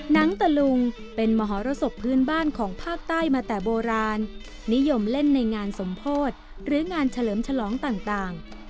หนังตะลุงเป็นมหรสบพื้นบ้านของภาคใต้มาแต่โบราณนิยมเล่นในงานสมโพธิหรืองานเฉลิมฉลองต่าง